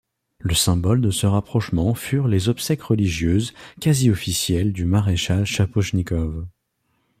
Le symbole de ce rapprochement furent les obsèques religieuses quasi officielles du maréchal Chapochnikov.